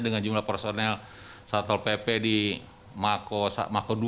dengan jumlah personel satpol pp di mako ii